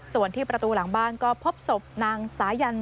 ส่วนที่ประตูหลังบ้านก็พบศพนางสายัน